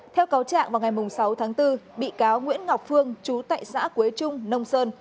theo cáo trạng vào ngày sáu tháng bốn bị cáo nguyễn ngọc phương chú tại xã quế trung nông sơn